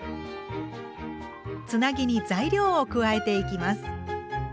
つなぎに材料を加えていきます。